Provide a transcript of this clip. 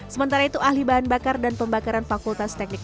sementara itu ahli bahan bakar dan pembakaran fakultas teknik